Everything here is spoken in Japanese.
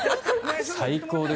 最高です。